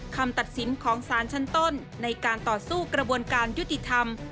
คำตัดสินของสารชั้นต้นในการต่อสู้กระบวนการยุติธรรม